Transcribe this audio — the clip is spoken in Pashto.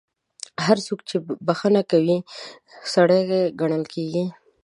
هر څوک چې بخښنه کوي، سړی ګڼل کیږي.